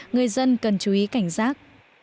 người dân cần chú ý cảnh giác